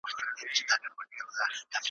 چي هامان ته خبر ورغى موسکی سو ,